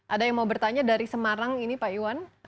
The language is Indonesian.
ada yang mau bertanya dari semarang ini pak iwan